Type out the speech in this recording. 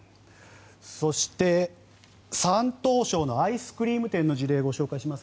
そして、山東省のアイスクリーム店の事例を紹介します。